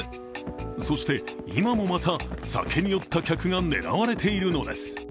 そして、今もまた酒に酔った客が狙われているのです。